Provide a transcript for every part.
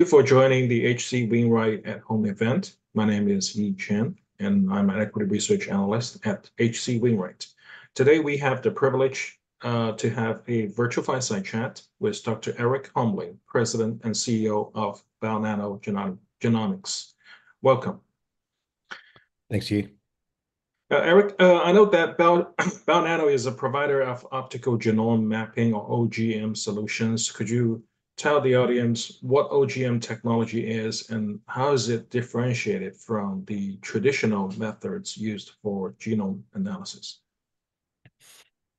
Thank you for joining the H.C. Wainwright @ Home Event. My name is Yi Chen, and I'm an Equity Research Analyst at H.C. Wainwright. Today, we have the privilege to have a virtual fireside chat with Dr. Erik Holmlin, President and CEO of Bionano Genomics. Welcome. Thanks, Yi. Erik, I know that Bionano is a provider of optical genome mapping, or OGM solutions. Could you tell the audience what OGM technology is, and how is it differentiated from the traditional methods used for genome analysis?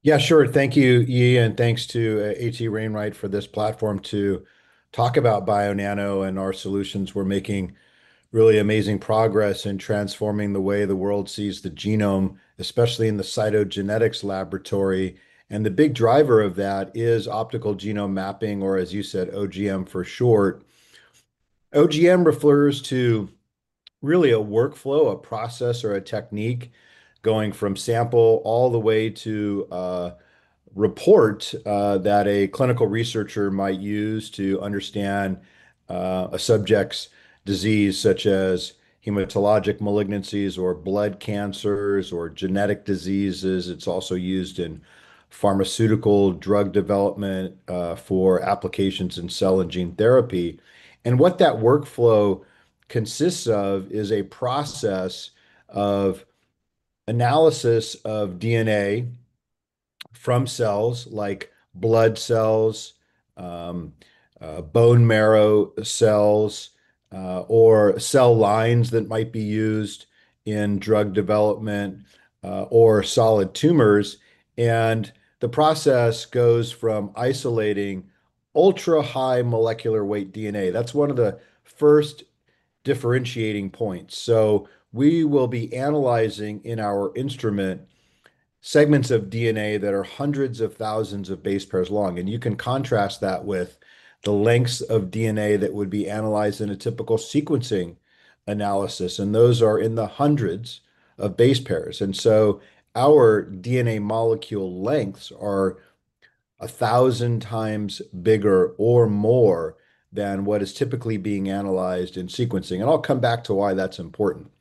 Yeah, sure. Thank you, Yi, and thanks to H.C. Wainwright for this platform to talk about Bionano and our solutions. We're making really amazing progress in transforming the way the world sees the genome, especially in the cytogenetics laboratory. And the big driver of that is optical genome mapping, or, as you said, OGM for short. OGM refers to really a workflow, a process, or a technique going from sample all the way to a report that a clinical researcher might use to understand a subject's disease, such as hematologic malignancies, or blood cancers, or genetic diseases. It's also used in pharmaceutical drug development for applications in cell and gene therapy. And what that workflow consists of is a process of analysis of DNA from cells like blood cells, bone marrow cells, or cell lines that might be used in drug development, or solid tumors. And the process goes from isolating ultra-high molecular weight DNA. That's one of the first differentiating points. So we will be analyzing in our instrument segments of DNA that are hundreds of thousands of base pairs long. And you can contrast that with the lengths of DNA that would be analyzed in a typical sequencing analysis. And those are in the hundreds of base pairs. And so our DNA molecule lengths are 1,000 times bigger or more than what is typically being analyzed in sequencing. And I'll come back to why that's important.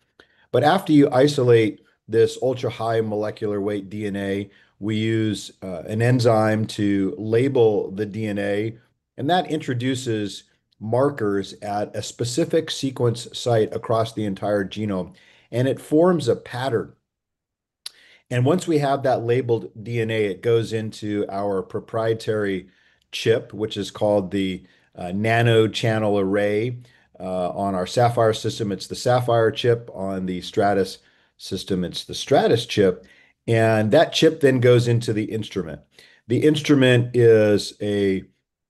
But after you isolate this ultra-high molecular weight DNA, we use an enzyme to label the DNA. And that introduces markers at a specific sequence site across the entire genome. And it forms a pattern. And once we have that labeled DNA, it goes into our proprietary chip, which is called the NanoChannel Array. On our Saphyr system, it's the Saphyr Chip. On the Stratys system, it's the Stratys Chip. And that chip then goes into the instrument. The instrument is a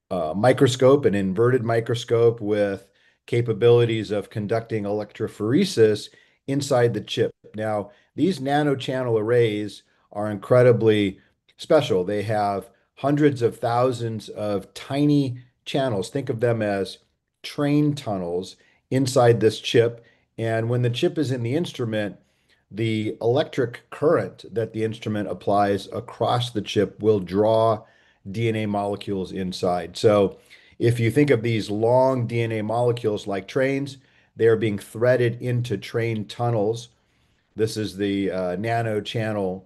microscope, an inverted microscope with capabilities of conducting electrophoresis inside the chip. Now, these NanoChannel arrays are incredibly special. They have hundreds of thousands of tiny channels. Think of them as train tunnels inside this chip. And when the chip is in the instrument, the electric current that the instrument applies across the chip will draw DNA molecules inside. So if you think of these long DNA molecules like trains, they are being threaded into train tunnels. This is the NanoChannel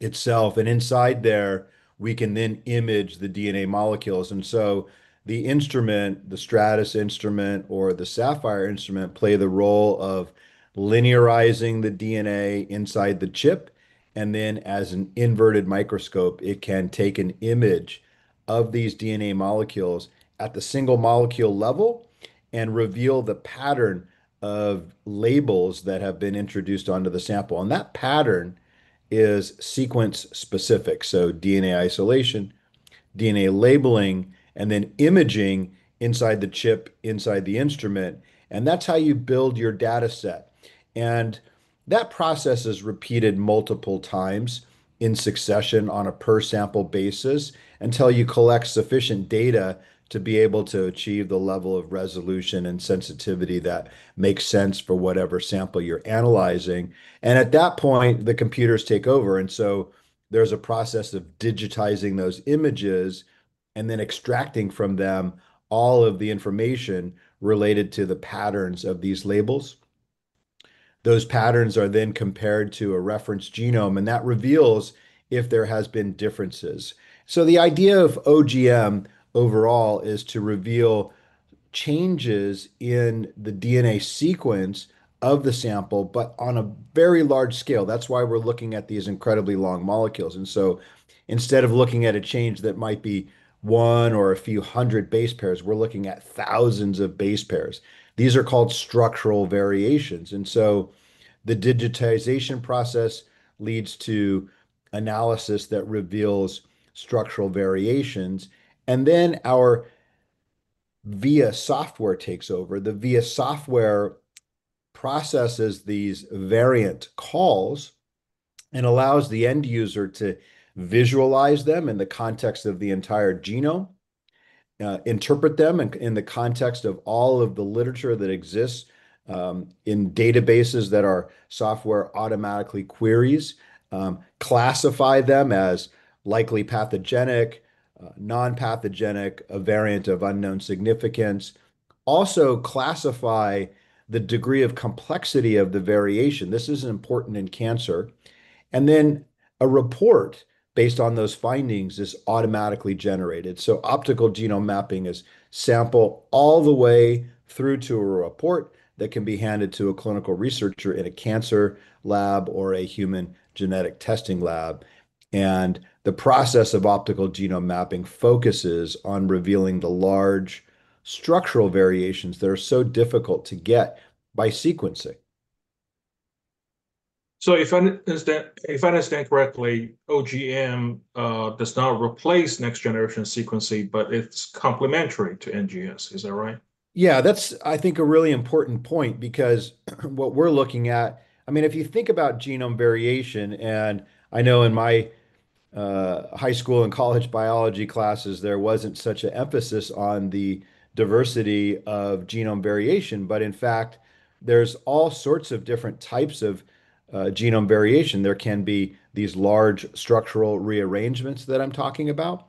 itself. And inside there, we can then image the DNA molecules. And so the instrument, the Stratys instrument or the Saphyr instrument, play the role of linearizing the DNA inside the chip. And then, as an inverted microscope, it can take an image of these DNA molecules at the single molecule level and reveal the pattern of labels that have been introduced onto the sample. And that pattern is sequence-specific. So DNA isolation, DNA labeling, and then imaging inside the chip, inside the instrument. And that's how you build your data set. And that process is repeated multiple times in succession on a per-sample basis until you collect sufficient data to be able to achieve the level of resolution and sensitivity that makes sense for whatever sample you're analyzing. And at that point, the computers take over. And so there's a process of digitizing those images and then extracting from them all of the information related to the patterns of these labels. Those patterns are then compared to a reference genome. And that reveals if there have been differences. So the idea of OGM overall is to reveal changes in the DNA sequence of the sample, but on a very large scale. That's why we're looking at these incredibly long molecules. And so instead of looking at a change that might be one or a few hundred base pairs, we're looking at thousands of base pairs. These are called structural variations. And so the digitization process leads to analysis that reveals structural variations. And then our VIA software takes over. The VIA software processes these variant calls and allows the end user to visualize them in the context of the entire genome, interpret them in the context of all of the literature that exists in databases that our software automatically queries, classify them as likely pathogenic, nonpathogenic, a variant of unknown significance. Also classify the degree of complexity of the variation. This is important in cancer. And then a report based on those findings is automatically generated. So optical genome mapping is sample all the way through to a report that can be handed to a clinical researcher in a cancer lab or a human genetic testing lab. And the process of optical genome mapping focuses on revealing the large structural variations that are so difficult to get by sequencing. So if I understand correctly, OGM does not replace next-generation sequencing, but it's complementary to NGS. Is that right? Yeah, that's, I think, a really important point because what we're looking at, I mean, if you think about genome variation, and I know in my high school and college biology classes, there wasn't such an emphasis on the diversity of genome variation. But in fact, there's all sorts of different types of genome variation. There can be these large structural rearrangements that I'm talking about.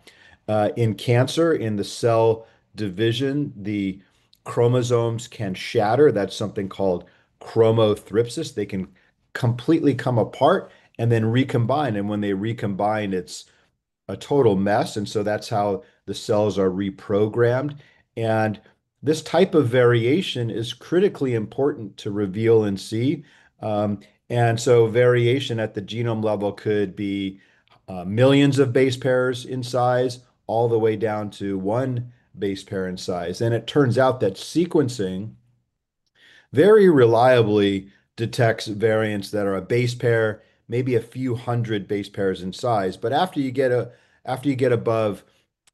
In cancer, in the cell division, the chromosomes can shatter. That's something called chromothripsis. They can completely come apart and then recombine. And when they recombine, it's a total mess. And so that's how the cells are reprogrammed. And this type of variation is critically important to reveal and see. And so variation at the genome level could be millions of base pairs in size all the way down to one base pair in size. And it turns out that sequencing very reliably detects variants that are a base pair, maybe a few hundred base pairs in size. But after you get above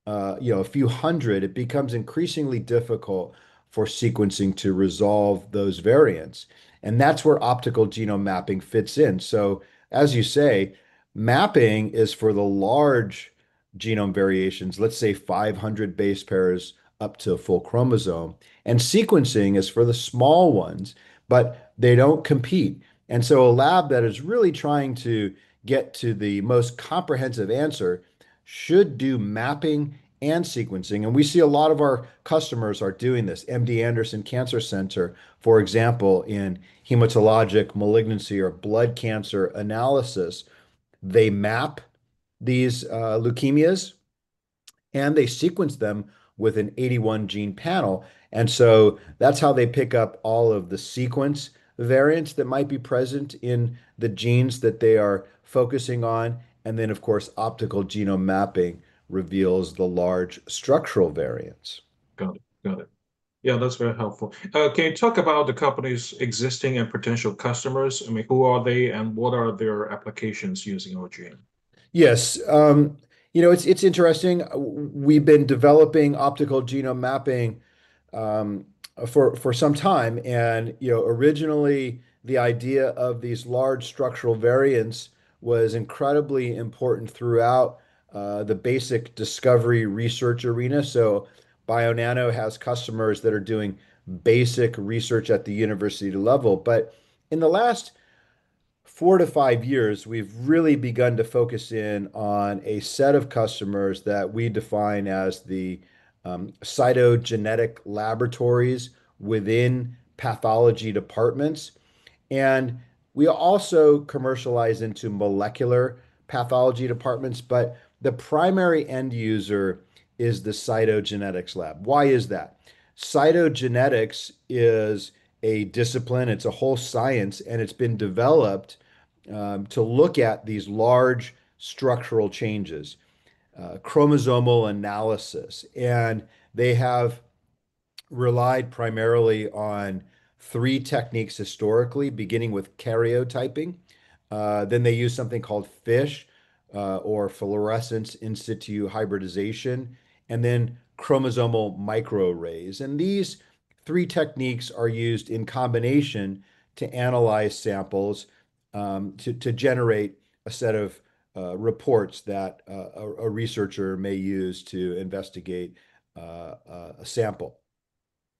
a few hundred, it becomes increasingly difficult for sequencing to resolve those variants. And that's where optical genome mapping fits in. So as you say, mapping is for the large genome variations, let's say 500 base pairs up to a full chromosome. And sequencing is for the small ones, but they don't compete. And so a lab that is really trying to get to the most comprehensive answer should do mapping and sequencing. And we see a lot of our customers are doing this. MD Anderson Cancer Center, for example, in hematologic malignancy or blood cancer analysis, they map these leukemias, and they sequence them with an 81-gene panel. And so that's how they pick up all of the sequence variants that might be present in the genes that they are focusing on. And then, of course, optical genome mapping reveals the large structural variants. Got it. Got it. Yeah, that's very helpful. Can you talk about the company's existing and potential customers? I mean, who are they and what are their applications using OGM? Yes. You know, it's interesting. We've been developing optical genome mapping for some time. And originally, the idea of these large structural variants was incredibly important throughout the basic discovery research arena. So Bionano has customers that are doing basic research at the university level. But in the last four-to-five years, we've really begun to focus in on a set of customers that we define as the cytogenetic laboratories within pathology departments. And we also commercialize into molecular pathology departments. But the primary end user is the cytogenetics lab. Why is that? Cytogenetics is a discipline. It's a whole science. And it's been developed to look at these large structural changes, chromosomal analysis. And they have relied primarily on three techniques historically, beginning with karyotyping. Then they use something called FISH or fluorescence in-situ hybridization, and then chromosomal microarrays. And these three techniques are used in combination to analyze samples to generate a set of reports that a researcher may use to investigate a sample.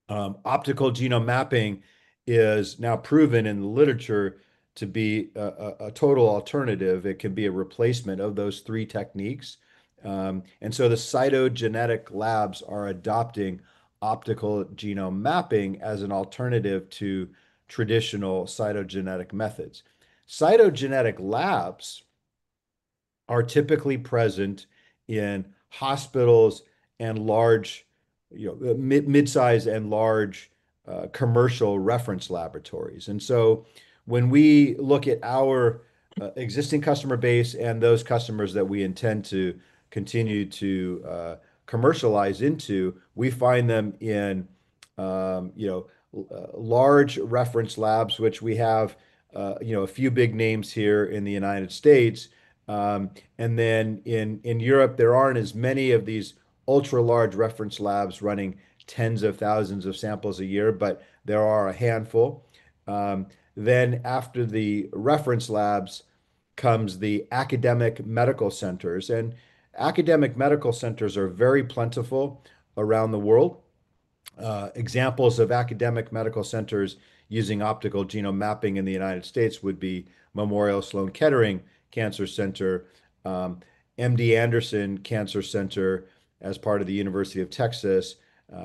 Optical genome mapping is now proven in the literature to be a total alternative. It can be a replacement of those three techniques. And so the cytogenetic labs are adopting optical genome mapping as an alternative to traditional cytogenetic methods. Cytogenetic labs are typically present in hospitals and large midsize and large commercial reference laboratories. And so when we look at our existing customer base and those customers that we intend to continue to commercialize into, we find them in large reference labs, which we have a few big names here in the United States. And then in Europe, there aren't as many of these ultra-large reference labs running tens of thousands of samples a year, but there are a handful. Then after the reference labs comes the academic medical centers. And academic medical centers are very plentiful around the world. Examples of academic medical centers using optical genome mapping in the United States would be Memorial Sloan Kettering Cancer Center, MD Anderson Cancer Center as part of the University of Texas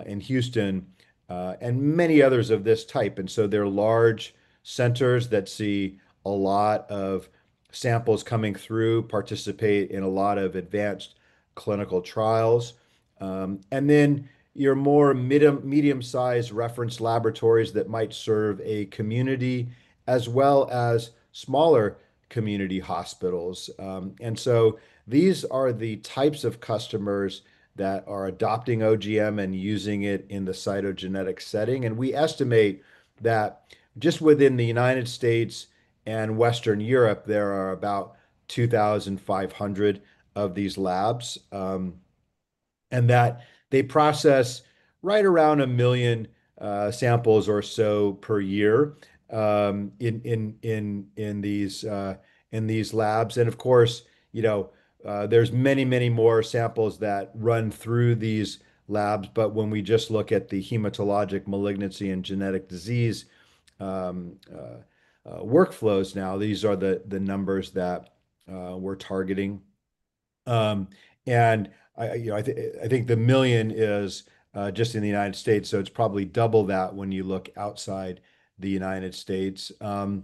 in Houston, and many others of this type. And so they're large centers that see a lot of samples coming through, participate in a lot of advanced clinical trials. And then your more medium-sized reference laboratories that might serve a community as well as smaller community hospitals. And so these are the types of customers that are adopting OGM and using it in the cytogenetic setting. And we estimate that just within the United States and Western Europe, there are about 2,500 of these labs. And that they process right around a million samples or so per year in these labs. And of course, there's many, many more samples that run through these labs. But when we just look at the hematologic malignancy and genetic disease workflows now, these are the numbers that we're targeting. And I think the million is just in the United States. So it's probably double that when you look outside the United States. And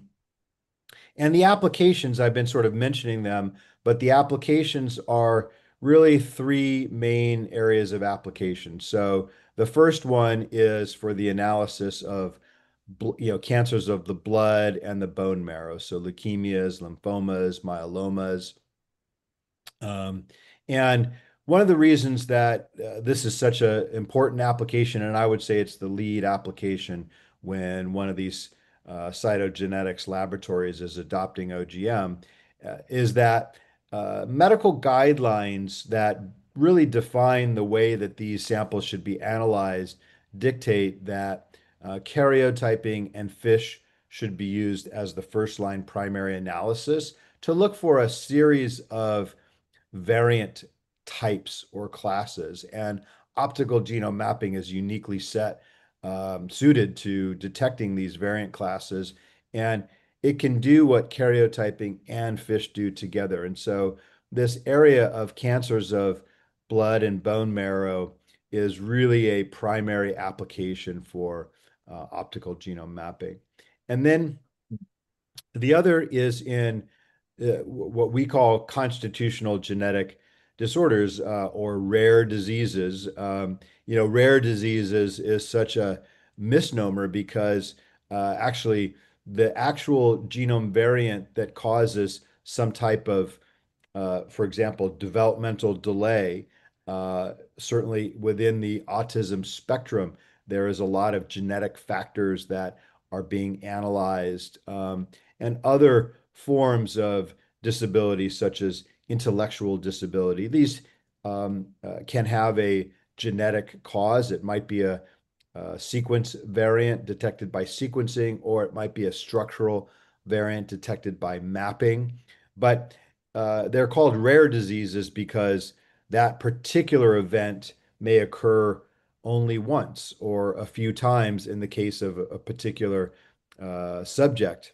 the applications, I've been sort of mentioning them, but the applications are really three main areas of application. So the first one is for the analysis of cancers of the blood and the bone marrow. So leukemias, lymphomas, myelomas. And one of the reasons that this is such an important application, and I would say it's the lead application when one of these cytogenetics laboratories is adopting OGM, is that medical guidelines that really define the way that these samples should be analyzed dictate that karyotyping and FISH should be used as the first-line primary analysis to look for a series of variant types or classes. And optical genome mapping is uniquely suited to detecting these variant classes. And it can do what karyotyping and FISH do together. And so this area of cancers of blood and bone marrow is really a primary application for optical genome mapping. And then the other is in what we call constitutional genetic disorders or rare diseases. Rare diseases is such a misnomer because actually the actual genome variant that causes some type of, for example, developmental delay, certainly within the autism spectrum, there is a lot of genetic factors that are being analyzed, and other forms of disability, such as intellectual disability, these can have a genetic cause. It might be a sequence variant detected by sequencing, or it might be a structural variant detected by mapping, but they're called rare diseases because that particular event may occur only once or a few times in the case of a particular subject,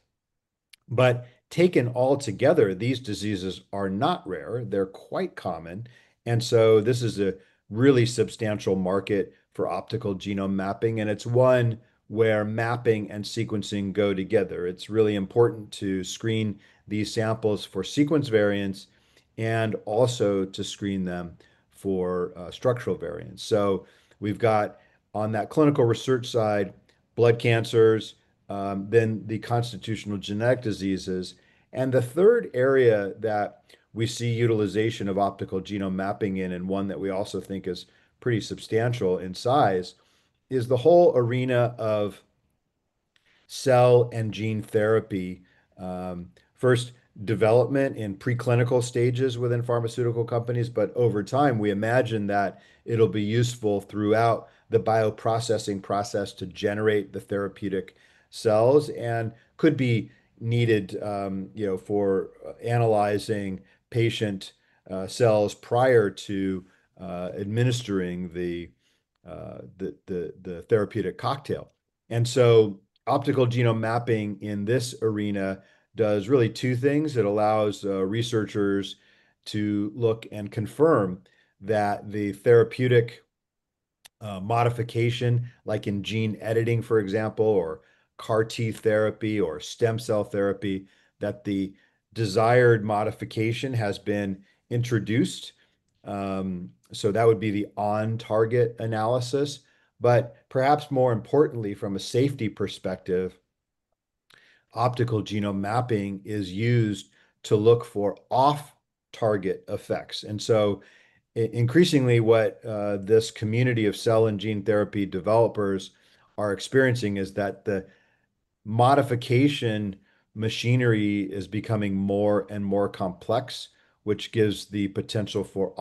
but taken all together, these diseases are not rare. They're quite common, and so this is a really substantial market for optical genome mapping, and it's one where mapping and sequencing go together. It's really important to screen these samples for sequence variants and also to screen them for structural variants. So we've got on that clinical research side, blood cancers, then the constitutional genetic diseases. And the third area that we see utilization of optical genome mapping in, and one that we also think is pretty substantial in size, is the whole arena of cell and gene therapy. First development in preclinical stages within pharmaceutical companies. But over time, we imagine that it'll be useful throughout the bioprocessing process to generate the therapeutic cells and could be needed for analyzing patient cells prior to administering the therapeutic cocktail. And so optical genome mapping in this arena does really two things. It allows researchers to look and confirm that the therapeutic modification, like in gene editing, for example, or CAR T therapy or stem cell therapy, that the desired modification has been introduced. So that would be the on-target analysis. But perhaps more importantly, from a safety perspective, optical genome mapping is used to look for off-target effects. And so increasingly, what this community of cell and gene therapy developers are experiencing is that the modification machinery is becoming more and more complex, which gives the potential for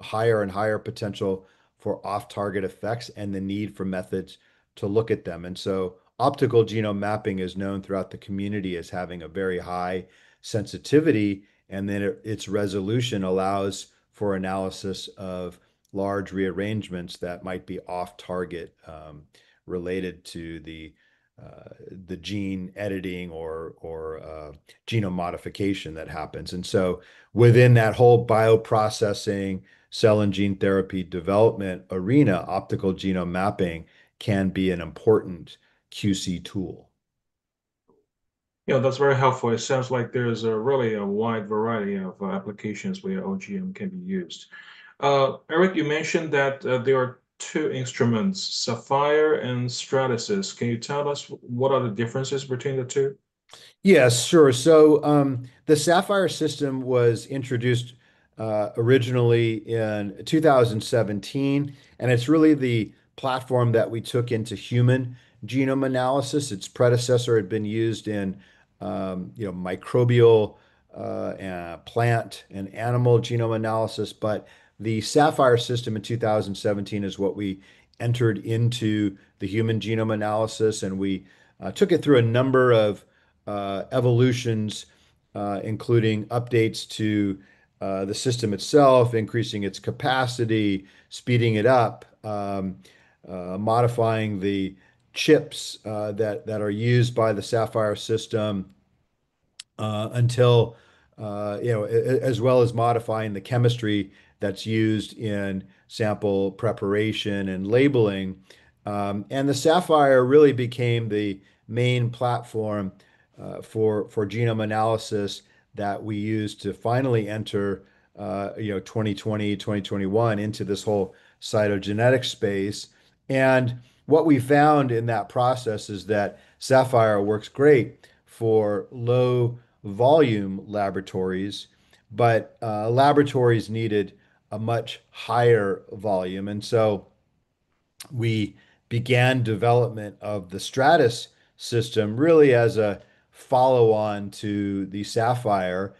higher and higher potential for off-target effects and the need for methods to look at them. And so optical genome mapping is known throughout the community as having a very high sensitivity. And then its resolution allows for analysis of large rearrangements that might be off-target related to the gene editing or genome modification that happens. And so within that whole bioprocessing, cell and gene therapy development arena, optical genome mapping can be an important QC tool. Yeah, that's very helpful. It sounds like there's really a wide variety of applications where OGM can be used. Erik, you mentioned that there are two instruments, Saphyr and Stratys. Can you tell us what are the differences between the two? Yes, sure. So the Saphyr system was introduced originally in 2017. And it's really the platform that we took into human genome analysis. Its predecessor had been used in microbial plant and animal genome analysis. But the Saphyr system in 2017 is what we entered into the human genome analysis. And we took it through a number of evolutions, including updates to the system itself, increasing its capacity, speeding it up, modifying the chips that are used by the Saphyr system as well as modifying the chemistry that's used in sample preparation and labeling. And the Saphyr really became the main platform for genome analysis that we used to finally enter 2020, 2021 into this whole cytogenetic space. And what we found in that process is that Saphyr works great for low-volume laboratories, but laboratories needed a much higher volume. We began development of the Stratys system really as a follow-on to the Saphyr.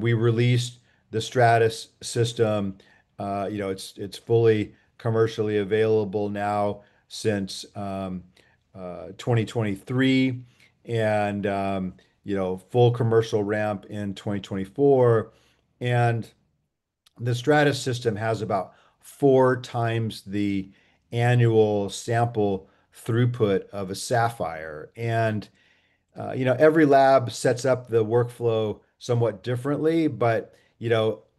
We released the Stratys system. It's fully commercially available now since 2023 and full commercial ramp in 2024. The Stratys system has about four times the annual sample throughput of a Saphyr. Every lab sets up the workflow somewhat differently. But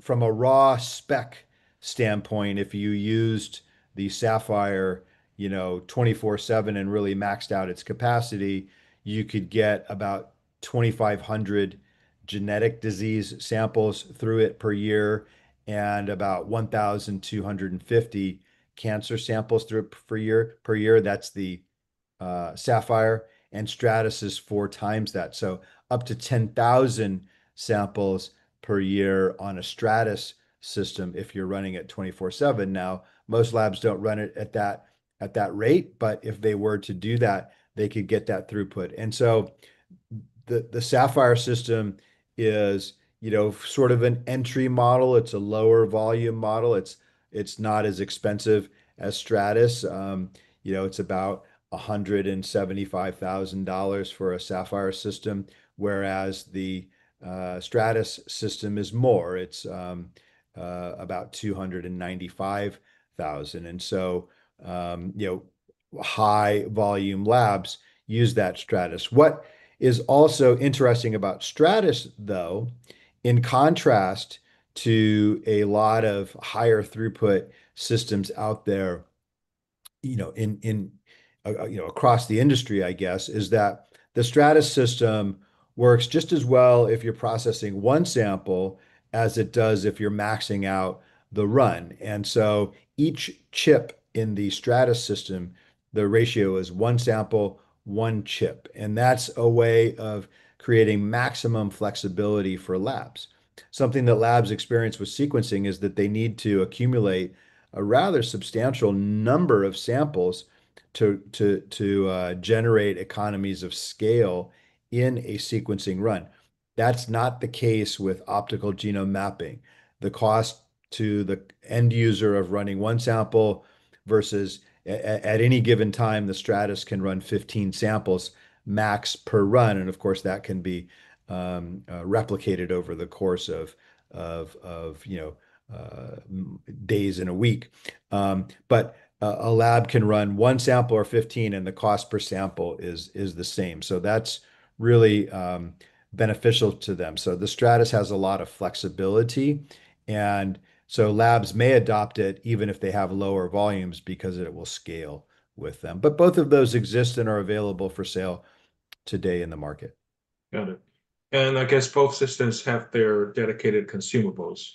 from a raw spec standpoint, if you used the Saphyr 24/7 and really maxed out its capacity, you could get about 2,500 genetic disease samples through it per year and about 1,250 cancer samples per year. That's the Saphyr. Stratys is four times that. Up to 10,000 samples per year on a Stratys system if you're running it 24/7. Most labs don't run it at that rate. But if they were to do that, they could get that throughput. And so the Saphyr system is sort of an entry model. It's a lower-volume model. It's not as expensive as Stratys. It's about $175,000 for a Saphyr system, whereas the Stratys system is more. It's about $295,000. And so high-volume labs use that Stratys. What is also interesting about Stratys, though, in contrast to a lot of higher-throughput systems out there across the industry, I guess, is that the Stratys system works just as well if you're processing one sample as it does if you're maxing out the run. And so each chip in the Stratys system, the ratio is one sample, one chip. And that's a way of creating maximum flexibility for labs. Something that labs experience with sequencing is that they need to accumulate a rather substantial number of samples to generate economies of scale in a sequencing run. That's not the case with optical genome mapping. The cost to the end user of running one sample versus at any given time, the Stratys can run 15 samples max per run, and of course, that can be replicated over the course of days in a week, but a lab can run one sample or 15, and the cost per sample is the same, so that's really beneficial to them, so the Stratys has a lot of flexibility, and so labs may adopt it even if they have lower volumes because it will scale with them, but both of those exist and are available for sale today in the market. Got it. And I guess both systems have their dedicated consumables,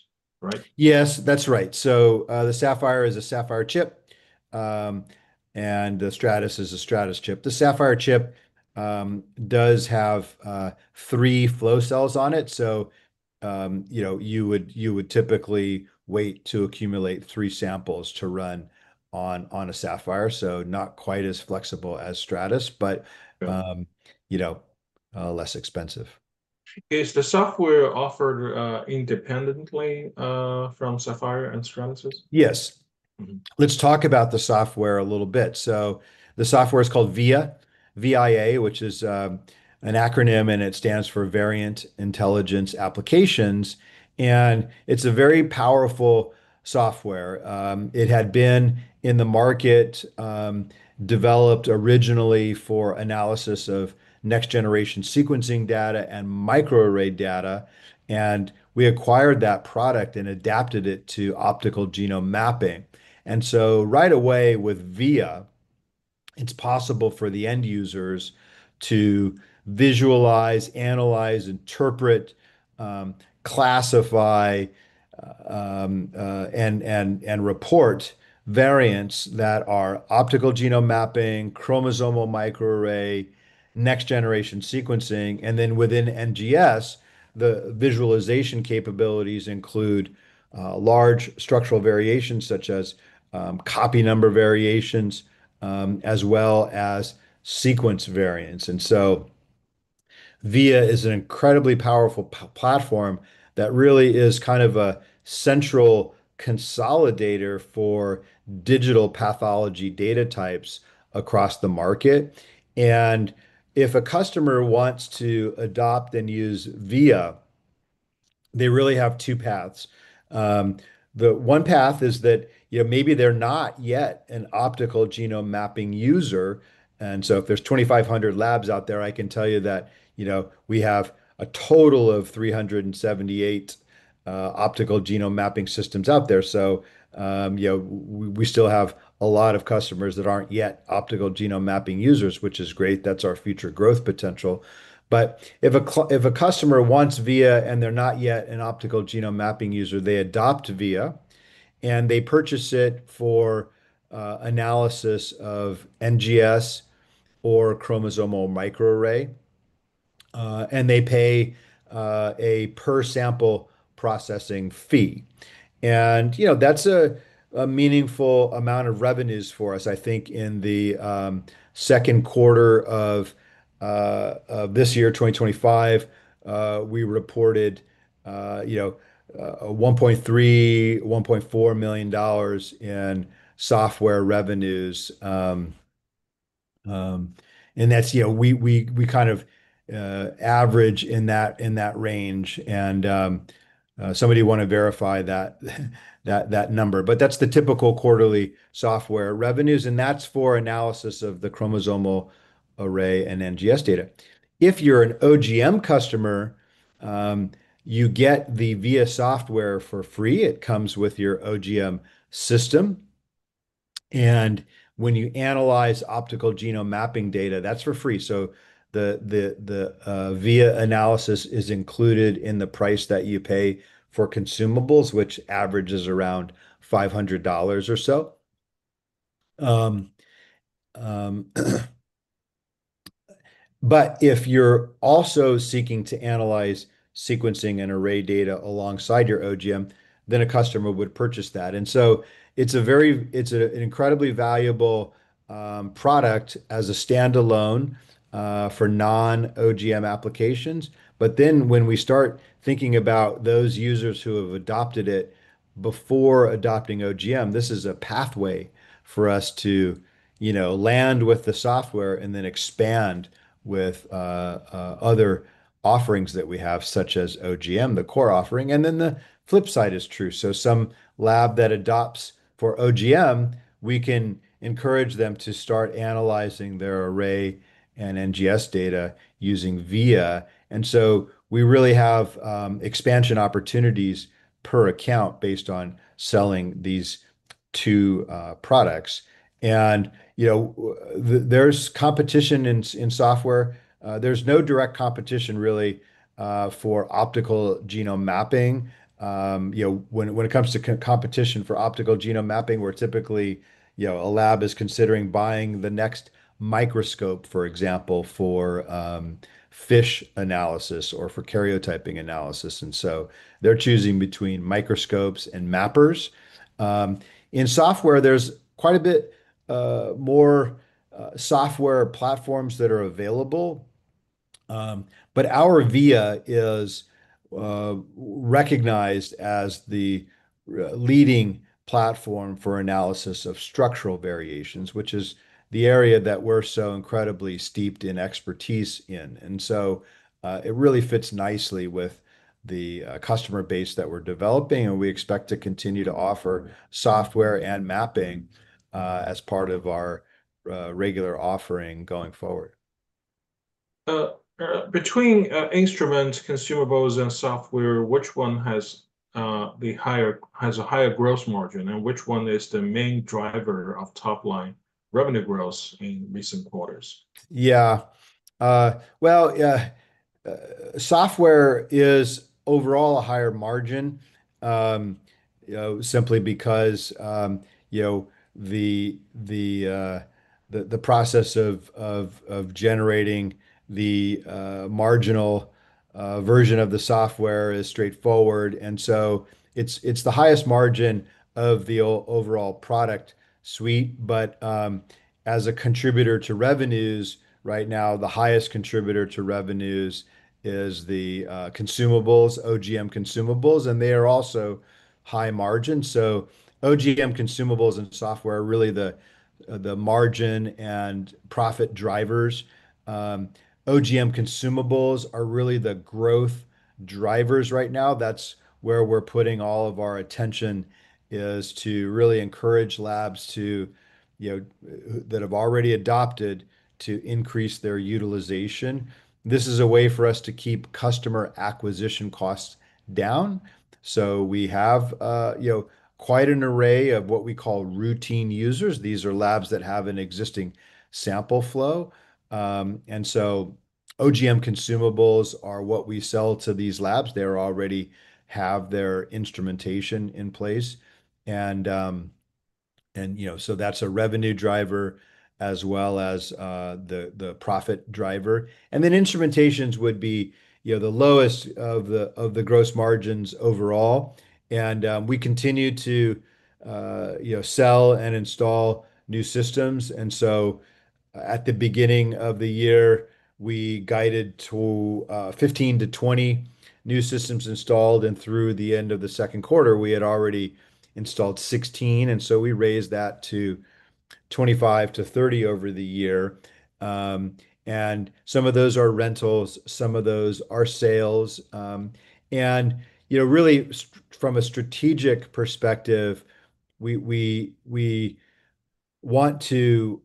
right? Yes, that's right. So the Saphyr is a Saphyr Chip. And the Stratys is a Stratys Chip. The Saphyr Chip does have three flow cells on it. So you would typically wait to accumulate three samples to run on a Saphyr. So not quite as flexible as Stratys, but less expensive. Is the software offered independently from Saphyr and Stratys? Yes. Let's talk about the software a little bit. So the software is called VIA, VIA, which is an acronym, and it stands for Variant Intelligence Applications. And it's a very powerful software. It had been in the market, developed originally for analysis of next-generation sequencing data and microarray data. And we acquired that product and adapted it to optical genome mapping. And so right away with VIA, it's possible for the end users to visualize, analyze, interpret, classify, and report variants that are optical genome mapping, chromosomal microarray, next-generation sequencing. And then within NGS, the visualization capabilities include large structural variations, such as copy number variations, as well as sequence variants. And so VIA is an incredibly powerful platform that really is kind of a central consolidator for digital pathology data types across the market. And if a customer wants to adopt and use VIA, they really have two paths. The one path is that maybe they're not yet an optical genome mapping user. And so if there's 2,500 labs out there, I can tell you that we have a total of 378 optical genome mapping systems out there. So we still have a lot of customers that aren't yet optical genome mapping users, which is great. That's our future growth potential. But if a customer wants VIA and they're not yet an optical genome mapping user, they adopt VIA. And they purchase it for analysis of NGS or chromosomal microarray. And they pay a per-sample processing fee. And that's a meaningful amount of revenues for us. I think in the second quarter of this year, 2025, we reported $1.3 million-$1.4 million in software revenues. And we kind of average in that range. Somebody wants to verify that number. That's the typical quarterly software revenues. That's for analysis of the chromosomal array and NGS data. If you're an OGM customer, you get the VIA software for free. It comes with your OGM system. When you analyze optical genome mapping data, that's for free. The VIA analysis is included in the price that you pay for consumables, which averages around $500 or so. If you're also seeking to analyze sequencing and array data alongside your OGM, then a customer would purchase that. It's an incredibly valuable product as a standalone for non-OGM applications. When we start thinking about those users who have adopted it before adopting OGM, this is a pathway for us to land with the software and then expand with other offerings that we have, such as OGM, the core offering. And then the flip side is true. So some lab that adopts for OGM, we can encourage them to start analyzing their array and NGS data using VIA. And so we really have expansion opportunities per account based on selling these two products. And there's competition in software. There's no direct competition really for optical genome mapping. When it comes to competition for optical genome mapping, where typically a lab is considering buying the next microscope, for example, for FISH analysis or for karyotyping analysis. And so they're choosing between microscopes and mappers. In software, there's quite a bit more software platforms that are available. But our VIA is recognized as the leading platform for analysis of structural variations, which is the area that we're so incredibly steeped in expertise in. And so it really fits nicely with the customer base that we're developing. We expect to continue to offer software and mapping as part of our regular offering going forward. Between instruments, consumables, and software, which one has a higher gross margin? And which one is the main driver of top-line revenue growth in recent quarters? Yeah. Well, software is overall a higher margin simply because the process of generating the marginal version of the software is straightforward, and so it's the highest margin of the overall product suite, but as a contributor to revenues right now, the highest contributor to revenues is the consumables, OGM consumables, and they are also high margin, so OGM consumables and software are really the margin and profit drivers. OGM consumables are really the growth drivers right now. That's where we're putting all of our attention is to really encourage labs that have already adopted to increase their utilization. This is a way for us to keep customer acquisition costs down, so we have quite an array of what we call routine users. These are labs that have an existing sample flow, and so OGM consumables are what we sell to these labs. They already have their instrumentation in place. And so that's a revenue driver as well as the profit driver. And then instrumentations would be the lowest of the gross margins overall. And we continue to sell and install new systems. And so at the beginning of the year, we guided to 15-20 new systems installed. And through the end of the second quarter, we had already installed 16. And so we raised that to 25-30 over the year. And some of those are rentals. Some of those are sales. And really, from a strategic perspective, we want to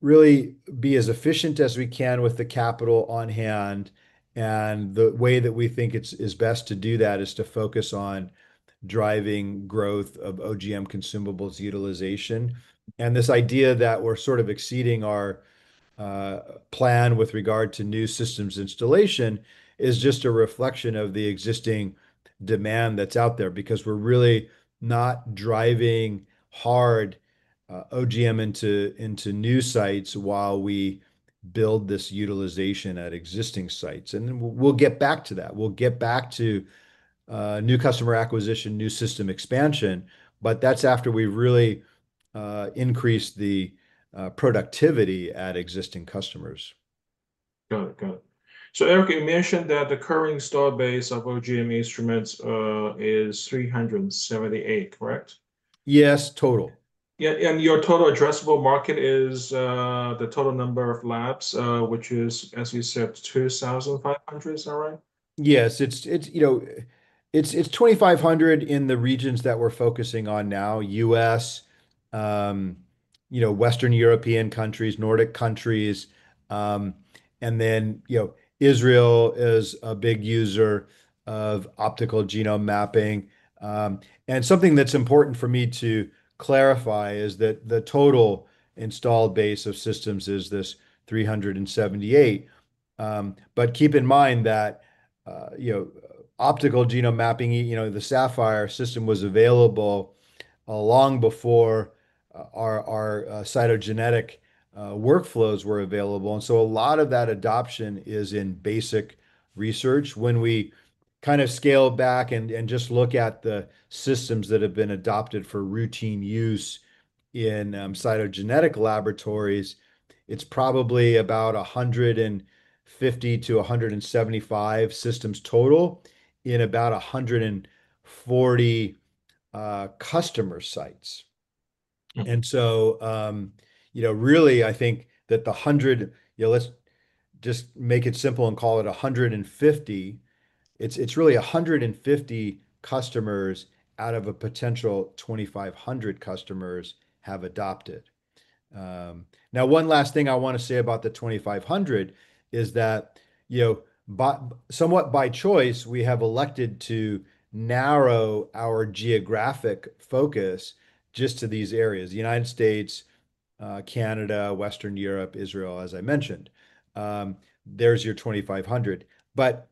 really be as efficient as we can with the capital on hand. And the way that we think it's best to do that is to focus on driving growth of OGM consumables utilization. And this idea that we're sort of exceeding our plan with regard to new systems installation is just a reflection of the existing demand that's out there because we're really not driving hard OGM into new sites while we build this utilization at existing sites. And we'll get back to that. We'll get back to new customer acquisition, new system expansion. But that's after we really increase the productivity at existing customers. Got it. Got it. So Erik, you mentioned that the current installed base of OGM instruments is 378, correct? Yes, total. Your total addressable market is the total number of labs, which is, as you said, 2,500, is that right? Yes. It's 2,500 in the regions that we're focusing on now: U.S., Western European countries, Nordic countries, and then Israel is a big user of optical genome mapping, and something that's important for me to clarify is that the total installed base of systems is this 378, but keep in mind that optical genome mapping, the Saphyr system was available long before our cytogenetic workflows were available, and so a lot of that adoption is in basic research. When we kind of scale back and just look at the systems that have been adopted for routine use in cytogenetic laboratories, it's probably about 150-175 systems total in about 140 customer sites, and so really, I think that the 100, let's just make it simple and call it 150. It's really 150 customers out of a potential 2,500 customers have adopted. Now, one last thing I want to say about the 2,500 is that somewhat by choice, we have elected to narrow our geographic focus just to these areas: the United States, Canada, Western Europe, Israel, as I mentioned. There's your 2,500. But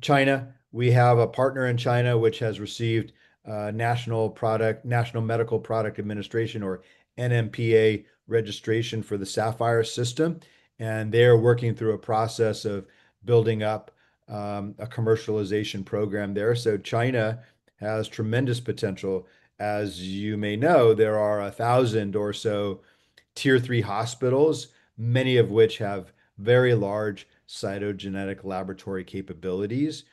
China, we have a partner in China, which has received National Medical Products Administration or NMPA registration for the Saphyr system. And they're working through a process of building up a commercialization program there. So China has tremendous potential. As you may know, there are 1,000 or so tier three hospitals, many of which have very large cytogenetic laboratory capabilities.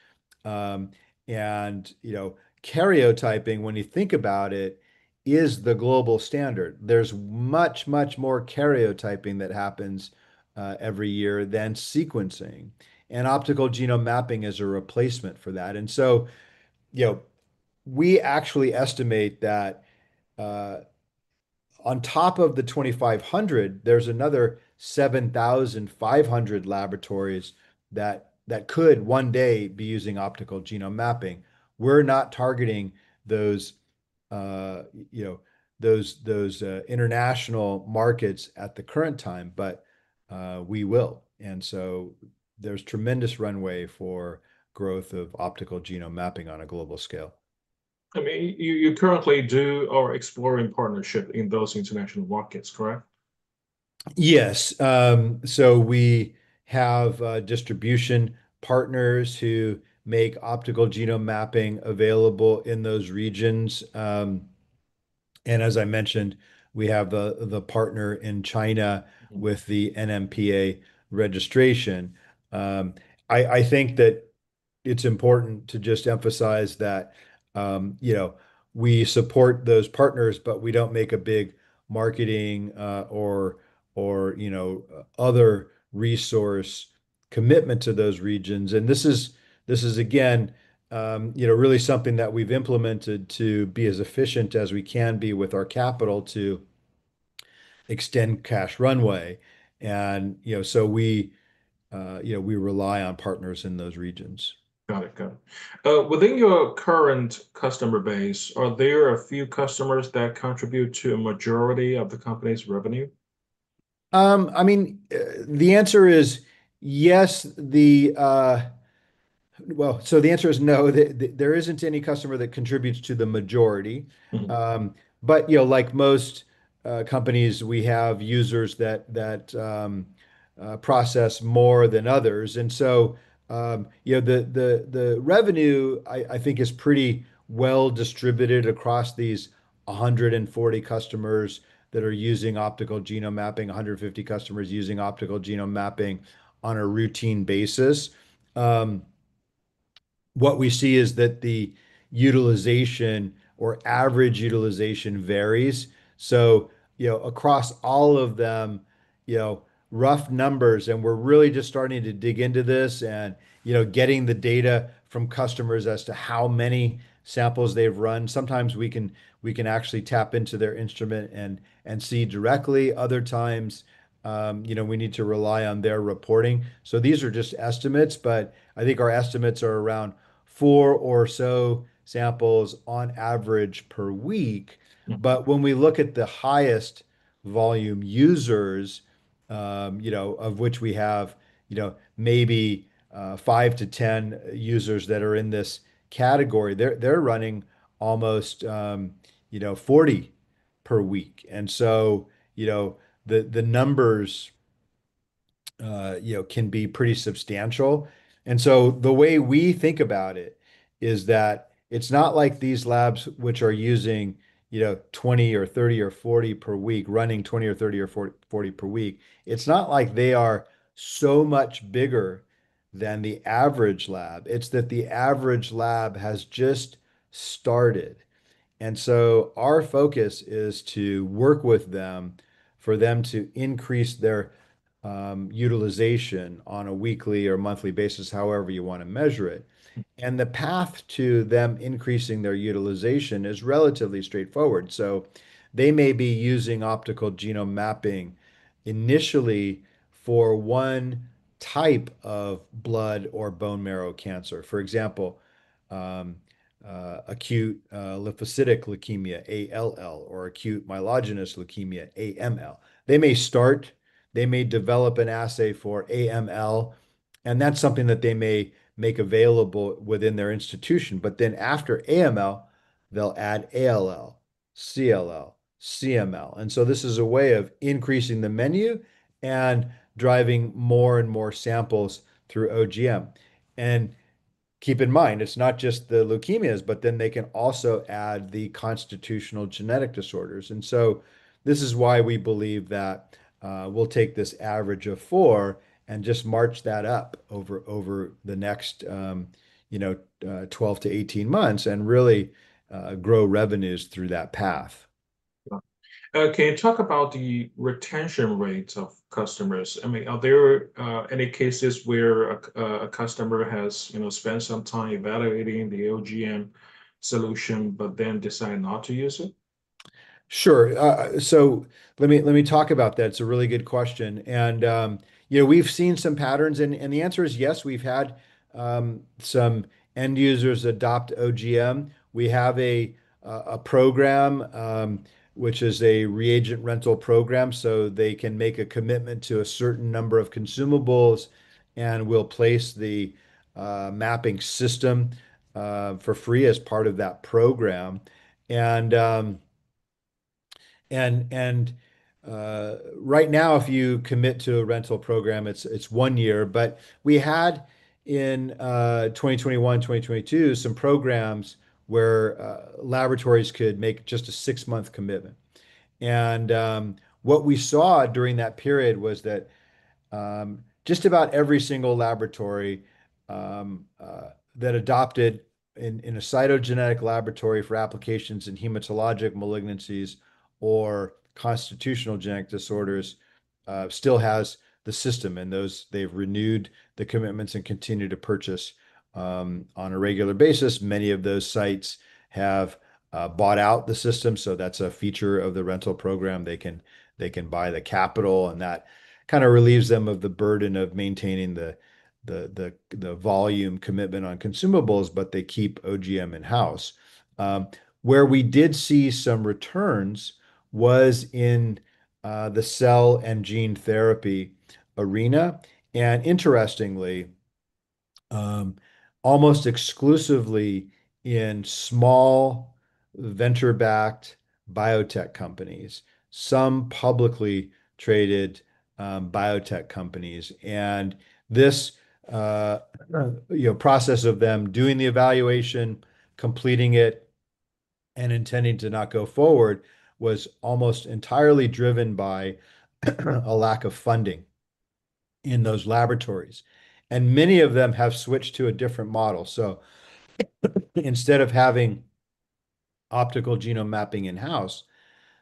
And karyotyping, when you think about it, is the global standard. There's much, much more karyotyping that happens every year than sequencing. And optical genome mapping is a replacement for that. And so we actually estimate that on top of the 2,500, there's another 7,500 laboratories that could one day be using optical genome mapping. We're not targeting those international markets at the current time, but we will. And so there's tremendous runway for growth of optical genome mapping on a global scale. I mean, you currently do or explore in partnership in those international markets, correct? Yes. So we have distribution partners who make optical genome mapping available in those regions. And as I mentioned, we have the partner in China with the NMPA registration. I think that it's important to just emphasize that we support those partners, but we don't make a big marketing or other resource commitment to those regions. And this is, again, really something that we've implemented to be as efficient as we can be with our capital to extend cash runway. And so we rely on partners in those regions. Got it. Got it. Within your current customer base, are there a few customers that contribute to a majority of the company's revenue? I mean, the answer is yes. Well, so the answer is no. There isn't any customer that contributes to the majority. But like most companies, we have users that process more than others. And so the revenue, I think, is pretty well distributed across these 140 customers that are using optical genome mapping, 150 customers using optical genome mapping on a routine basis. What we see is that the utilization or average utilization varies. So across all of them, rough numbers, and we're really just starting to dig into this and getting the data from customers as to how many samples they've run. Sometimes we can actually tap into their instrument and see directly. Other times, we need to rely on their reporting. So these are just estimates. But I think our estimates are around four or so samples on average per week. But when we look at the highest volume users, of which we have maybe five to 10 users that are in this category, they're running almost 40 per week. And so the numbers can be pretty substantial. And so the way we think about it is that it's not like these labs, which are using 20 or 30 or 40 per week, running 20 or 30 or 40 per week. It's not like they are so much bigger than the average lab. It's that the average lab has just started. And so our focus is to work with them for them to increase their utilization on a weekly or monthly basis, however you want to measure it. And the path to them increasing their utilization is relatively straightforward. So they may be using optical genome mapping initially for one type of blood or bone marrow cancer, for example, acute lymphocytic leukemia, ALL, or acute myelogenous leukemia, AML, they may develop an assay for AML, and that's something that they may make available within their institution, but then after AML, they'll add ALL, CLL, CML, and so this is a way of increasing the menu and driving more and more samples through OGM, and keep in mind, it's not just the leukemias, but then they can also add the constitutional genetic disorders, and so this is why we believe that we'll take this average of four and just march that up over the next 12-18 months and really grow revenues through that path. Can you talk about the retention rates of customers? I mean, are there any cases where a customer has spent some time evaluating the OGM solution, but then decided not to use it? Sure, so let me talk about that. It's a really good question, and we've seen some patterns, and the answer is yes. We've had some end users adopt OGM. We have a program, which is a reagent rental program, so they can make a commitment to a certain number of consumables and will place the mapping system for free as part of that program, and right now, if you commit to a rental program, it's one year, but we had in 2021, 2022, some programs where laboratories could make just a six-month commitment, and what we saw during that period was that just about every single laboratory that adopted in a cytogenetic laboratory for applications in hematologic malignancies or constitutional genetic disorders still has the system, and they've renewed the commitments and continue to purchase on a regular basis. Many of those sites have bought out the system. So that's a feature of the rental program. They can buy the capital. And that kind of relieves them of the burden of maintaining the volume commitment on consumables, but they keep OGM in-house. Where we did see some returns was in the cell and gene therapy arena. And interestingly, almost exclusively in small venture-backed biotech companies, some publicly traded biotech companies. And this process of them doing the evaluation, completing it, and intending to not go forward was almost entirely driven by a lack of funding in those laboratories. And many of them have switched to a different model. So instead of having optical genome mapping in-house,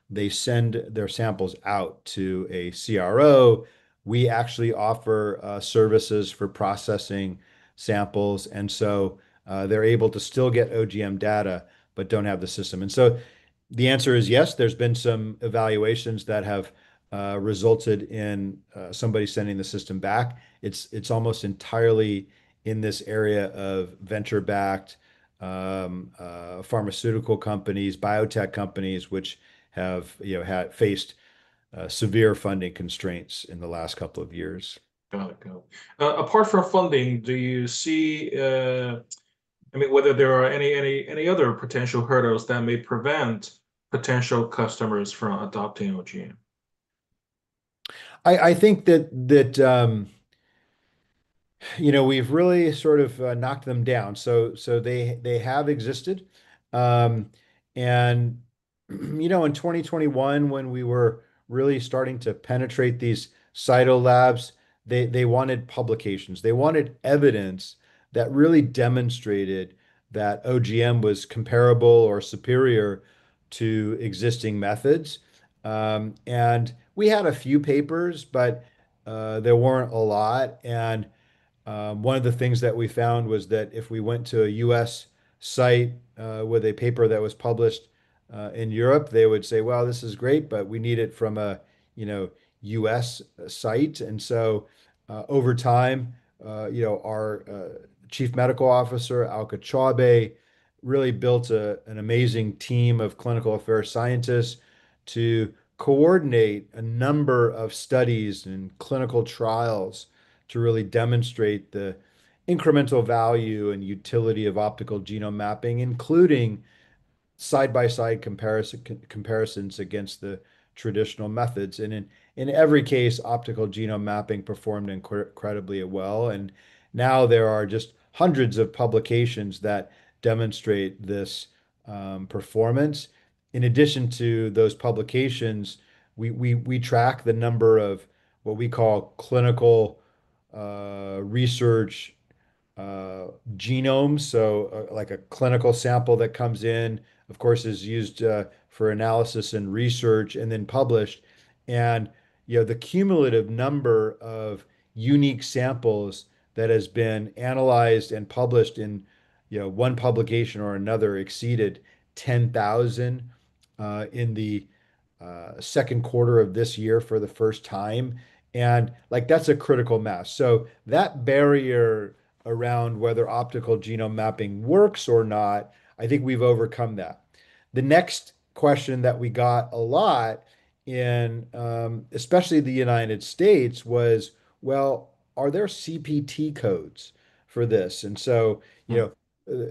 they send their samples out to a CRO. We actually offer services for processing samples. And so they're able to still get OGM data but don't have the system. And so the answer is yes. There's been some evaluations that have resulted in somebody sending the system back. It's almost entirely in this area of venture-backed pharmaceutical companies, biotech companies, which have faced severe funding constraints in the last couple of years. Got it. Got it. Apart from funding, do you see, I mean, whether there are any other potential hurdles that may prevent potential customers from adopting OGM? I think that we've really sort of knocked them down. So they have existed. And in 2021, when we were really starting to penetrate these Cyto Labs, they wanted publications. They wanted evidence that really demonstrated that OGM was comparable or superior to existing methods. And we had a few papers, but there weren't a lot. And one of the things that we found was that if we went to a U.S. site with a paper that was published in Europe, they would say, "Well, this is great, but we need it from a U.S. site." And so over time, our Chief Medical Officer, Alka Chaubey, really built an amazing team of clinical affairs scientists to coordinate a number of studies and clinical trials to really demonstrate the incremental value and utility of optical genome mapping, including side-by-side comparisons against the traditional methods. And in every case, optical genome mapping performed incredibly well. And now there are just hundreds of publications that demonstrate this performance. In addition to those publications, we track the number of what we call clinical research genomes. So like a clinical sample that comes in, of course, is used for analysis and research and then published. And the cumulative number of unique samples that has been analyzed and published in one publication or another exceeded 10,000 in the second quarter of this year for the first time. And that's a critical mass. So that barrier around whether optical genome mapping works or not, I think we've overcome that. The next question that we got a lot, especially the United States, was, "Well, are there CPT codes for this?" And so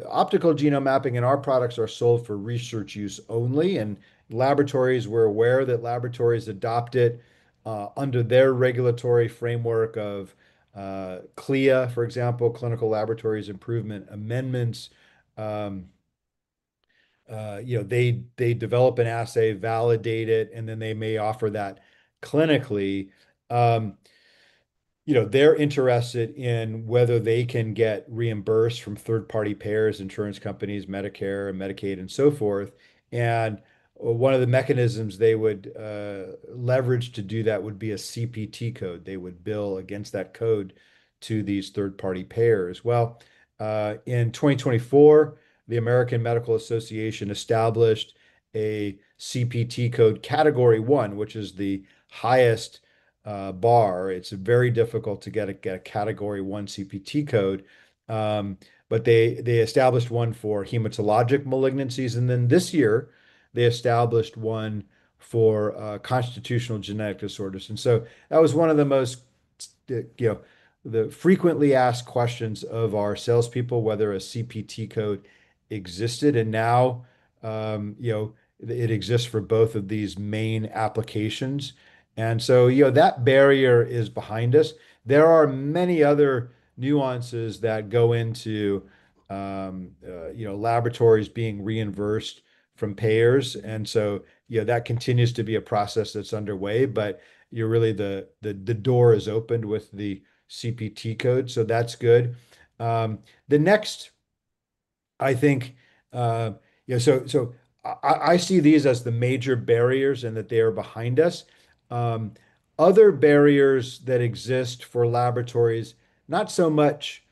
optical genome mapping and our products are sold for research use only. And laboratories, we're aware that laboratories adopt it under their regulatory framework of CLIA, for example, Clinical Laboratory Improvement Amendments. They develop an assay, validate it, and then they may offer that clinically. They're interested in whether they can get reimbursed from third-party payers, insurance companies, Medicare, Medicaid, and so forth. And one of the mechanisms they would leverage to do that would be a CPT code. They would bill against that code to these third-party payers. Well, in 2024, the American Medical Association established a CPT code Category 1, which is the highest bar. It's very difficult to get a Category 1 CPT code. But they established one for hematologic malignancies. And then this year, they established one for constitutional genetic disorders. And so that was one of the most frequently asked questions of our salespeople, whether a CPT code existed. And now it exists for both of these main applications. And so that barrier is behind us. There are many other nuances that go into laboratories being reimbursed from payers. And so that continues to be a process that's underway. But really, the door is opened with the CPT code. So that's good. The next, I think, so I see these as the major barriers and that they are behind us. Other barriers that exist for laboratories, not so much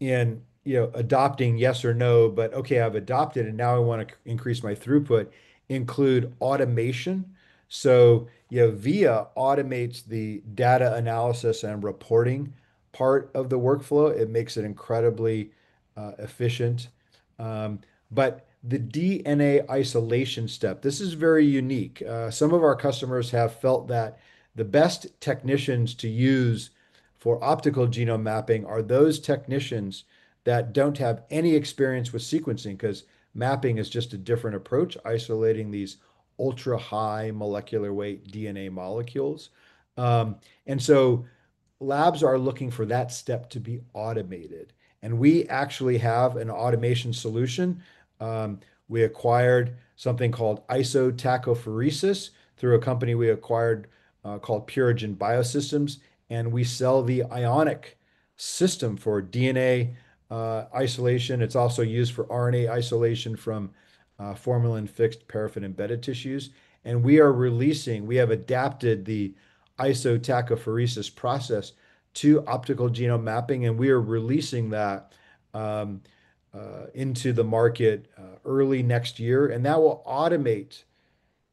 in adopting yes or no, but, "Okay, I've adopted it, and now I want to increase my throughput," include automation. So VIA automates the data analysis and reporting part of the workflow. It makes it incredibly efficient. But the DNA isolation step, this is very unique. Some of our customers have felt that the best technicians to use for optical genome mapping are those technicians that don't have any experience with sequencing because mapping is just a different approach, isolating these ultra-high molecular weight DNA molecules, and so labs are looking for that step to be automated, and we actually have an automation solution. We acquired something called isotachophoresis through a company we acquired called Purigen Biosystems, and we sell the Ionic system for DNA isolation. It's also used for RNA isolation from formalin-fixed, paraffin-embedded tissues, and we are releasing, we have adapted the isotachophoresis process to optical genome mapping, and we are releasing that into the market early next year, and that will automate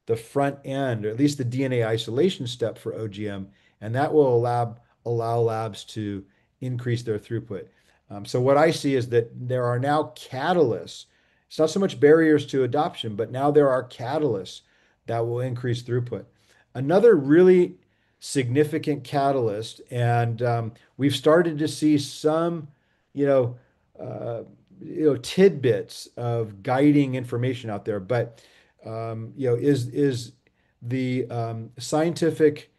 the front end, or at least the DNA isolation step for OGM, and that will allow labs to increase their throughput. So what I see is that there are now catalysts. It's not so much barriers to adoption, but now there are catalysts that will increase throughput. Another really significant catalyst, and we've started to see some tidbits of guiding information out there, but is the scientific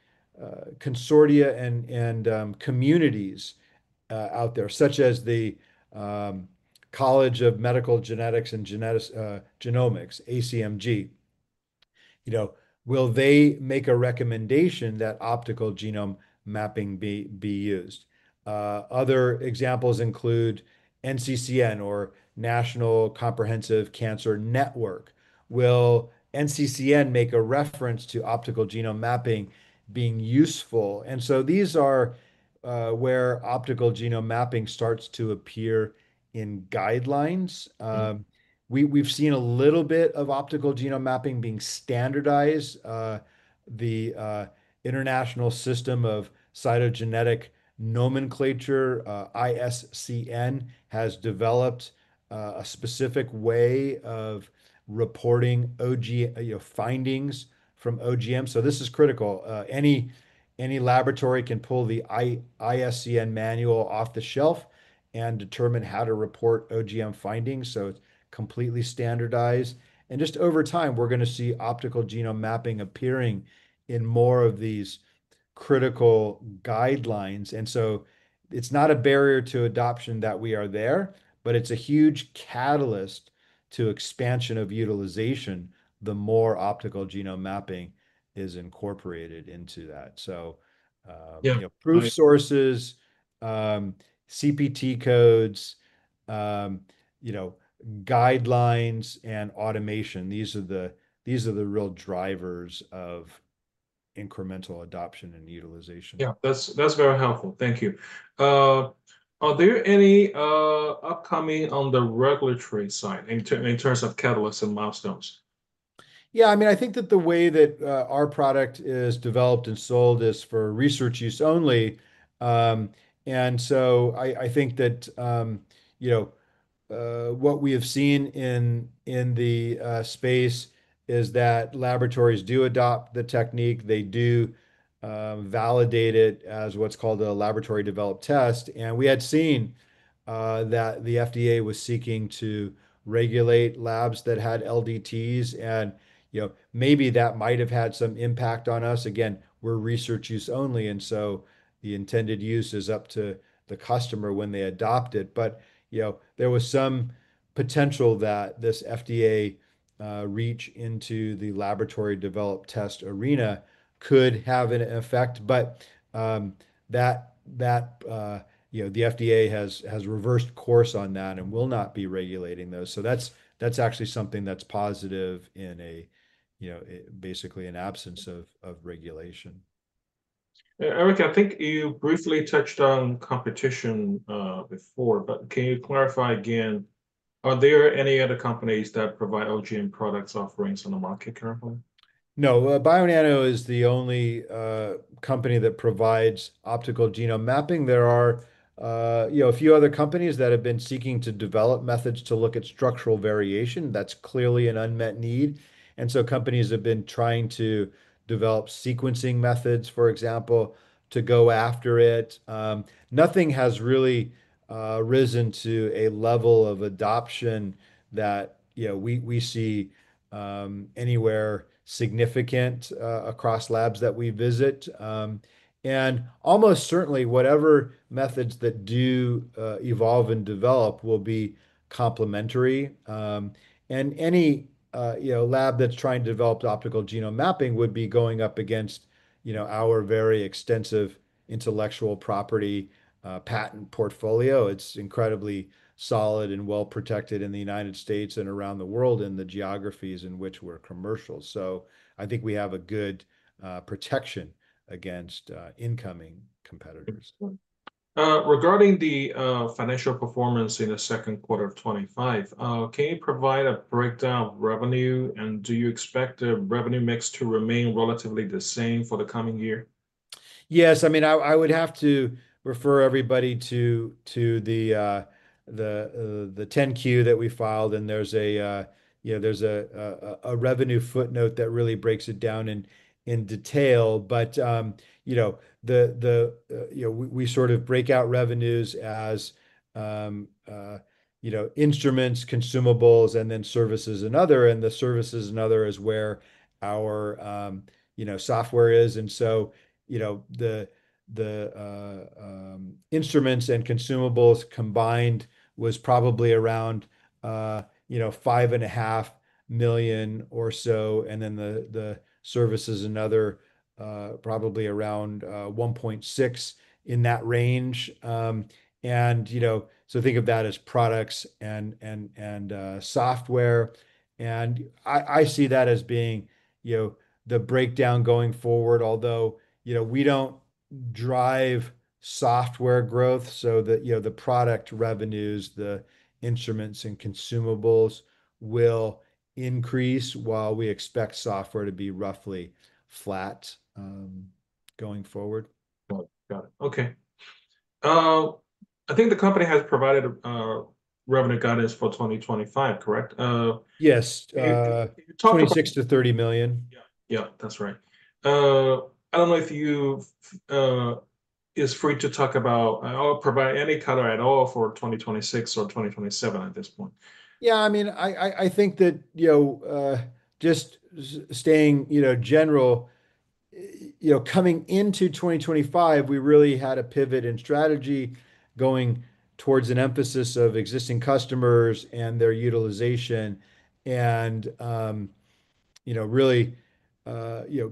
consortia and communities out there, such as the American College of Medical Genetics and Genomics, ACMG, will they make a recommendation that optical genome mapping be used? Other examples include NCCN, or National Comprehensive Cancer Network. Will NCCN make a reference to optical genome mapping being useful? And so these are where optical genome mapping starts to appear in guidelines. We've seen a little bit of optical genome mapping being standardized. The International System of Cytogenetic Nomenclature, ISCN, has developed a specific way of reporting findings from OGM. So this is critical. Any laboratory can pull the ISCN manual off the shelf and determine how to report OGM findings, so it's completely standardized, and just over time, we're going to see optical genome mapping appearing in more of these critical guidelines, and so it's not a barrier to adoption that we are there, but it's a huge catalyst to expansion of utilization the more optical genome mapping is incorporated into that, so proof sources, CPT codes, guidelines, and automation. These are the real drivers of incremental adoption and utilization. Yeah. That's very helpful. Thank you. Are there any upcoming on the regulatory side in terms of catalysts and milestones? Yeah. I mean, I think that the way that our product is developed and sold is for research use only, and so I think that what we have seen in the space is that laboratories do adopt the technique. They do validate it as what's called a laboratory-developed test, and we had seen that the FDA was seeking to regulate labs that had LDTs, and maybe that might have had some impact on us. Again, we're research use only, and so the intended use is up to the customer when they adopt it, but there was some potential that this FDA reach into the laboratory-developed test arena could have an effect, but the FDA has reversed course on that and will not be regulating those, so that's actually something that's positive in basically an absence of regulation. Erik, I think you briefly touched on competition before, but can you clarify again, are there any other companies that provide OGM products offerings on the market currently? No. Bionano is the only company that provides optical genome mapping. There are a few other companies that have been seeking to develop methods to look at structural variation. That's clearly an unmet need, and so companies have been trying to develop sequencing methods, for example, to go after it. Nothing has really risen to a level of adoption that we see anywhere significant across labs that we visit, and almost certainly, whatever methods that do evolve and develop will be complementary, and any lab that's trying to develop optical genome mapping would be going up against our very extensive intellectual property patent portfolio. It's incredibly solid and well protected in the United States and around the world in the geographies in which we're commercial, so I think we have a good protection against incoming competitors. Regarding the financial performance in the second quarter of 2025, can you provide a breakdown of revenue, and do you expect the revenue mix to remain relatively the same for the coming year? Yes. I mean, I would have to refer everybody to the 10-Q that we filed. And there's a revenue footnote that really breaks it down in detail. But we sort of break out revenues as instruments, consumables, and then services and other. And the services and other is where our software is. And so the instruments and consumables combined was probably around $5.5 million or so. And then the services and other probably around $1.6 in that range. And so think of that as products and software. And I see that as being the breakdown going forward, although we don't drive software growth. So the product revenues, the instruments, and consumables will increase while we expect software to be roughly flat going forward. Got it. Okay. I think the company has provided revenue guidance for 2025, correct? Yes. $26 million-$30 million. Yeah. That's right. I don't know if you're free to talk about. I'll provide any color at all for 2026 or 2027 at this point. Yeah. I mean, I think that just staying general, coming into 2025, we really had a pivot in strategy going towards an emphasis of existing customers and their utilization and really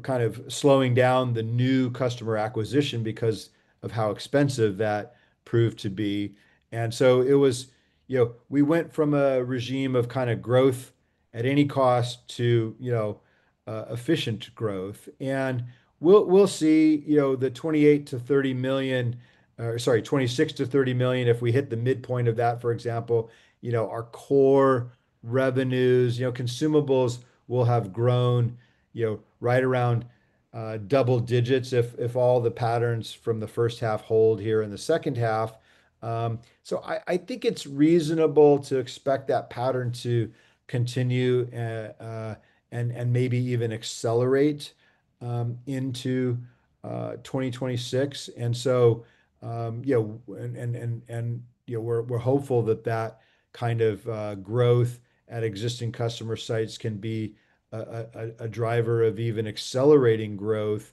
kind of slowing down the new customer acquisition because of how expensive that proved to be. And so we went from a regime of kind of growth at any cost to efficient growth. And we'll see the $28 million-$30 million or sorry, $26 million-$30 million, if we hit the midpoint of that, for example, our core revenues, consumables will have grown right around double digits if all the patterns from the first half hold here in the second half. So I think it's reasonable to expect that pattern to continue and maybe even accelerate into 2026. And so we're hopeful that that kind of growth at existing customer sites can be a driver of even accelerating growth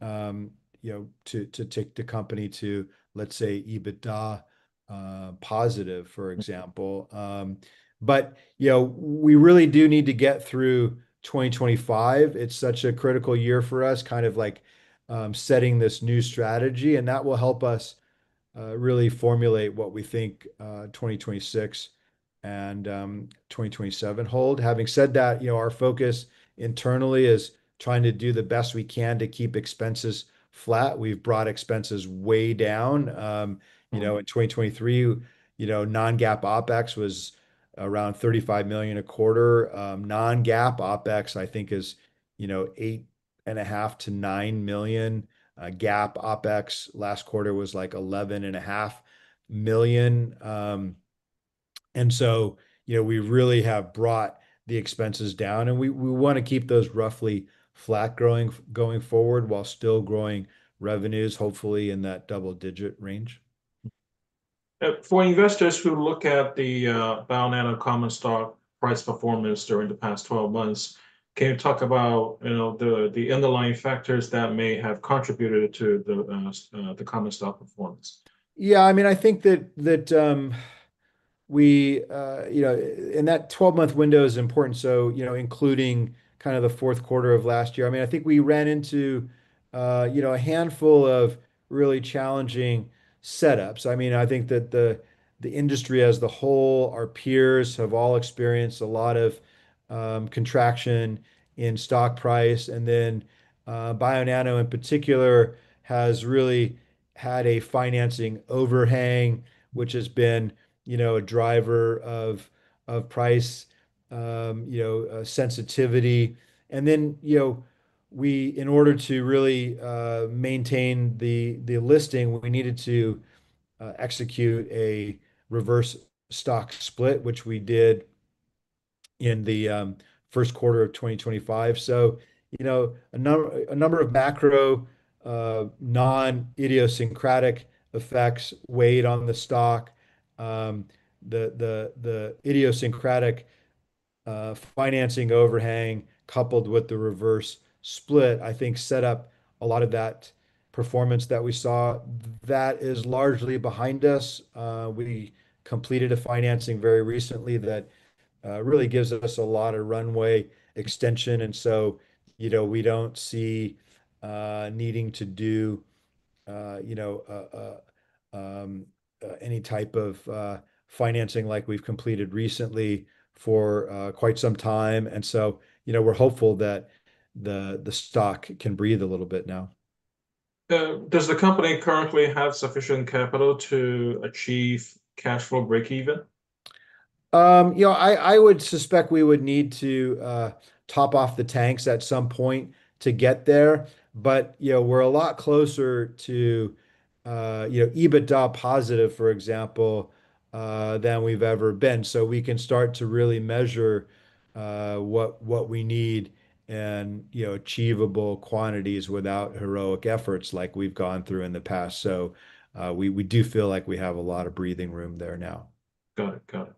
to take the company to, let's say, EBITDA positive, for example. But we really do need to get through 2025. It's such a critical year for us, kind of like setting this new strategy. And that will help us really formulate what we think 2026 and 2027 hold. Having said that, our focus internally is trying to do the best we can to keep expenses flat. We've brought expenses way down. In 2023, non-GAAP OpEx was around $35 million a quarter. Non-GAAP OpEx, I think, is $8.5 million-$9 million. GAAP OpEx last quarter was like $11.5 million. And so we really have brought the expenses down. And we want to keep those roughly flat going forward while still growing revenues, hopefully in that double-digit range. For investors who look at the Bionano common stock price performance during the past 12 months, can you talk about the underlying factors that may have contributed to the common stock performance? Yeah. I mean, I think that in that 12-month window is important. So including kind of the fourth quarter of last year, I mean, I think we ran into a handful of really challenging setups. I mean, I think that the industry as a whole, our peers have all experienced a lot of contraction in stock price. And then Bionano, in particular, has really had a financing overhang, which has been a driver of price sensitivity. And then in order to really maintain the listing, we needed to execute a reverse stock split, which we did in the first quarter of 2025. So a number of macro non-idiosyncratic effects weighed on the stock. The idiosyncratic financing overhang coupled with the reverse split, I think, set up a lot of that performance that we saw. That is largely behind us. We completed a financing very recently that really gives us a lot of runway extension. And so we don't see needing to do any type of financing like we've completed recently for quite some time. And so we're hopeful that the stock can breathe a little bit now. Does the company currently have sufficient capital to achieve cash flow break-even? I would suspect we would need to top off the tanks at some point to get there. But we're a lot closer to EBITDA positive, for example, than we've ever been. So we can start to really measure what we need and achievable quantities without heroic efforts like we've gone through in the past. So we do feel like we have a lot of breathing room there now. Got it. Got it.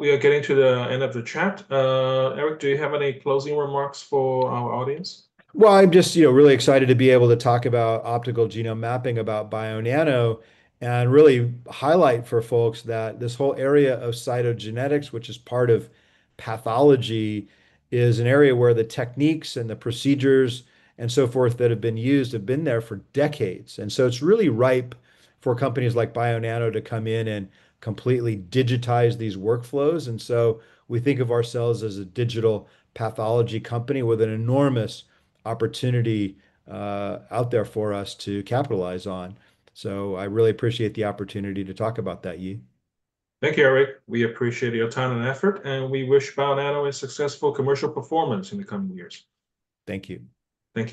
We are getting to the end of the chat. Erik, do you have any closing remarks for our audience? Well, I'm just really excited to be able to talk about optical genome mapping, about Bionano and really highlight for folks that this whole area of cytogenetics, which is part of pathology, is an area where the techniques and the procedures and so forth that have been used have been there for decades. And so it's really ripe for companies like Bionano to come in and completely digitize these workflows. And so we think of ourselves as a digital pathology company with an enormous opportunity out there for us to capitalize on. So I really appreciate the opportunity to talk about that, Yi. Thank you, Erik. We appreciate your time and effort, and we wish Bionano a successful commercial performance in the coming years. Thank you. Thank you.